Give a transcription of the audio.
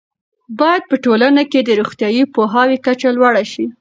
باید په ټولنه کې د روغتیايي پوهاوي کچه لوړه شي.